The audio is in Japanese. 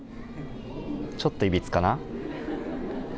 ちょっといびつかな。